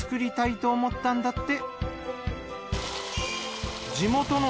と思ったんだって。